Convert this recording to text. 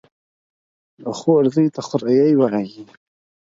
د خور زوى ته خوريه وايي.